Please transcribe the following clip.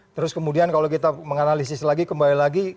terus kemudian kalau kita menganalisis lagi kembali lagi